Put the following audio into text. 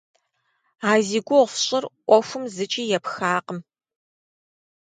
А зи гугъу фщӏыр ӏуэхум зыкӏи епхакъым.